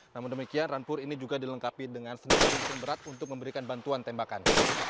namun demikian rampur ini juga dilengkapi dengan senjata berat untuk memberikan bantuan tembakan